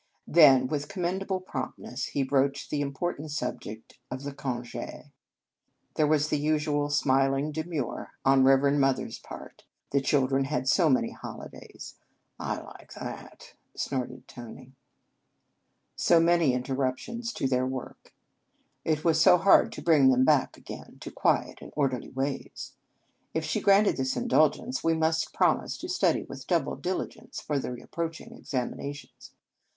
Then, with commendable promptness, he broached the important subject of the conge. There was the usual smil ing demur on Reverend Mother s part. The children had so many holidays ("I like that!" snorted Tony), so 116 Un Conge sans Cloche many interruptions to their work. It was so hard to bring them back again to quiet and orderly ways. If she granted this indulgence, we must promise to study with double diligence for the ap proaching examinations.